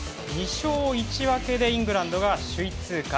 ２勝１分けでイングランドが首位通過。